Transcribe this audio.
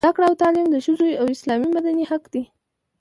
زده کړه او تعلیم د ښځو اسلامي او مدني حق دی.